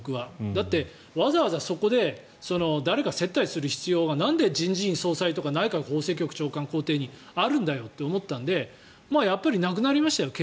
だって、わざわざそこで誰か接待する必要がなんで人事院総裁とか内閣法制局長官邸とかにあるんだよって思ったのでやっぱりなくなりましたよ